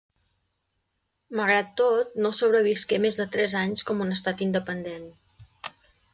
Malgrat tot, no sobrevisqué més de tres anys com un estat independent.